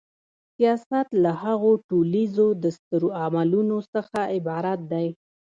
سیاست له هغو ټولیزو دستورالعملونو څخه عبارت دی.